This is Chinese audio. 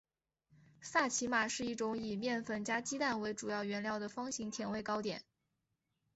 萨其马是一种以面粉加鸡蛋为主要原料的方形甜味糕点。